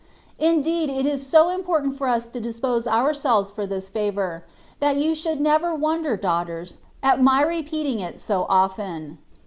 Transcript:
Indeed^ it is so important for us to dispose ourselves for this favour, that you should never wonder, daughters, at my repeating it so often.